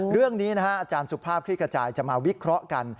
เรื่องนี้นะฮะอาจารย์สุภาพคลิกกระจายจะมาวิเคราะห์กัน